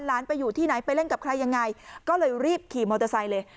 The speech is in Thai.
ไปอยู่ที่ไหนไปเล่นกับใครยังไงก็เลยรีบขี่มอเตอร์ไซค์เลย